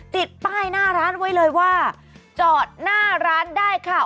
ติดป้ายหน้าร้านไว้เลยว่าจอดหน้าร้านได้ค่ะ